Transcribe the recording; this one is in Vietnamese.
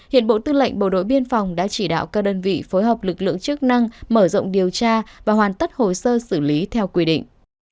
hiện bộ tư lệnh bộ đội biên phòng đã chỉ đạo các đơn vị phối hợp lực lượng chức năng mở rộng điều tra và hoàn tất hồ sơ xử lý theo quy định